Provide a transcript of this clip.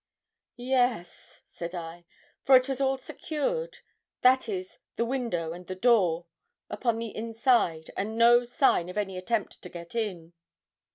'Yes,' said I, 'for it was all secured that is, the window and the door upon the inside, and no sign of any attempt to get in.'